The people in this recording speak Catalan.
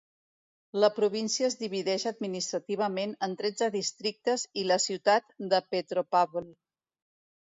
La província es divideix administrativament en tretze districtes i la ciutat de Petropavl.